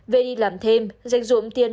vê đi làm thêm dành dụng tiền